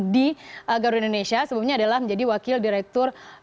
di garuda indonesia sebelumnya adalah menjadi wakil direktur